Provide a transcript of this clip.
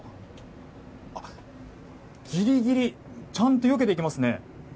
ギリギリちゃんとよけていきますね。